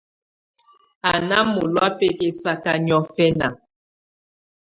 Á́ ná mɔ̀lɔá bɛkɛsaka niɔ̀fɛna.